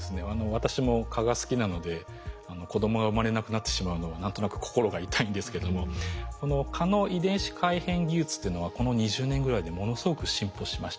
私も蚊が好きなので子供が生まれなくなってしまうのは何となく心が痛いんですけどもこの蚊の遺伝子改変技術というのはこの２０年ぐらいでものすごく進歩しました。